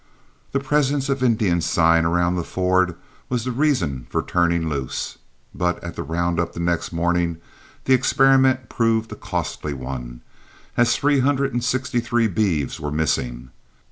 The presence of Indian sign around the ford was the reason for turning loose, but at the round up the next morning the experiment proved a costly one, as three hundred and sixty three beeves were missing.